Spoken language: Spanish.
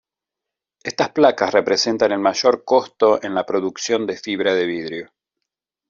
Estas placas representan el mayor costo en la producción de fibra de vidrio.